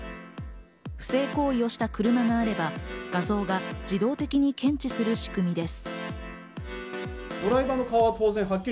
不正行為をした車があれば画像が自動的に検知する仕組みです。